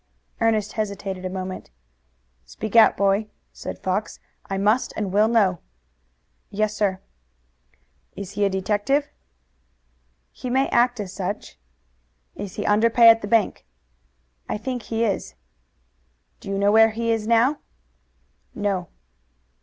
Ernest hesitated a moment. "Speak out, boy!" said Fox. "I must and will know." "Yes, sir." "Is he a detective?" "He may act as such." "Is he under pay at the bank?" "I think he is." "Do you know where he is now?" "No."